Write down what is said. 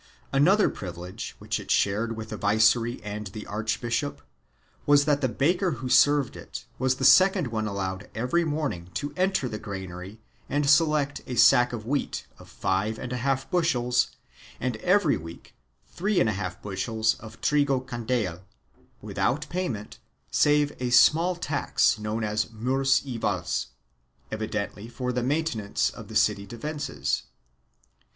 2 Another privilege, which it shared with the viceroy and the archbishop, was that the baker who served it was the second one allowed every morning to enter the granary and select a sack of wheat (trigo fuerte) of five and a half bushels and every week a cahiz (3V bushels) of trigo candeal, without payment save a small tax known as murs y vails — evi dently for the maintenance of the city defences.